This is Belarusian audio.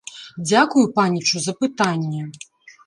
Дзякую, панічу, за пытанне!